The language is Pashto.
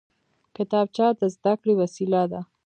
کتابچه د زده کړې وسیله ده